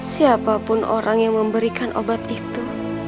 siapapun orang yang memberikan obat itu